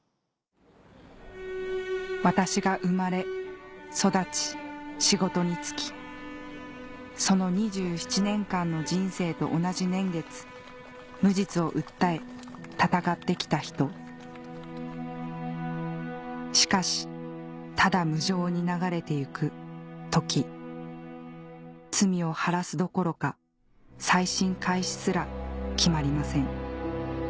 私が生まれ育ち仕事に就きその２７年間の人生と同じ年月無実を訴え闘ってきた人しかしただ無情に流れていく時罪を晴らすどころか再審開始すら決まりません